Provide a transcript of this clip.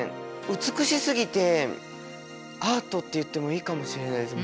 美しすぎてアートって言ってもいいかもしれないです。